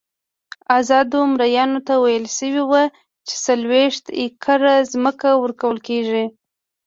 ازادو مریانو ته ویل شوي وو چې څلوېښت ایکره ځمکه ورکول کېږي.